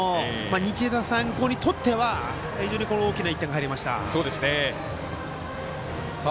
日大三高にとっては非常に大きな１点が入りました。